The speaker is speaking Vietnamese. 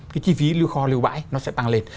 cái chi phí lưu kho lưu bãi nó sẽ tăng lên